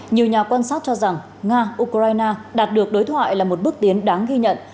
nhiều nhà quan sát cho rằng nga ukraine đạt được đối thoại là một bước tiến đáng ghi nhận